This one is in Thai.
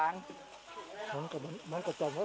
เราไปทางหน้าอยู่ทางบาง